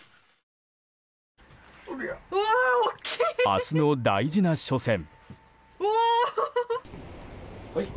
明日の大事な初戦。